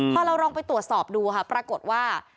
พอเราลองไปตรวจสอบดูค่ะปรากฏว่า